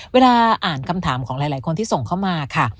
เวลาอ่านคำถามของหลายคนที่ส่งเข้ามาค่ะ